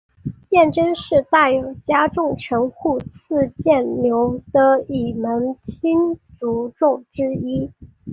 鉴贞是大友家重臣户次鉴连的一门亲族众之一。